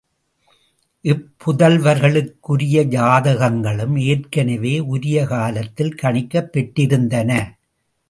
இப்புதல்வர்களுக்குரிய ஜாதகங்களும் ஏற்கெனவே உரிய காலத்தில் கணிக்கப் பெற்றிருந்தன.